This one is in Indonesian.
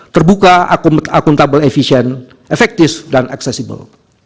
terbuka akuntabel efisien efektif dan accessible